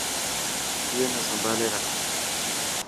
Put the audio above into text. ائي نا سمڀالي رک.